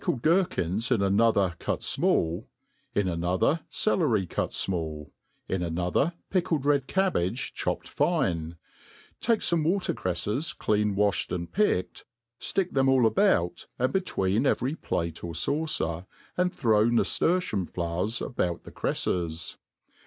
169 Jed girkins in another cut fmall ; in another celery cut fmall ; in another pickled red cabbage chopped fine ; take fome wa« ter^crefies clean waflied and pickedy ftick them all about and between every plate or faucer, and throw naftertium flowers about the creiles.